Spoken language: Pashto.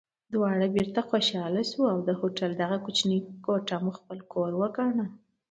دواړه بېرته خوشحاله شوو او د هوټل دغه کوچنۍ کوټه مو خپل کور وګاڼه.